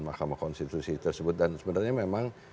mahkamah konstitusi tersebut dan sebenarnya memang